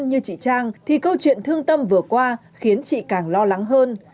như chị trang thì câu chuyện thương tâm vừa qua khiến chị càng lo lắng hơn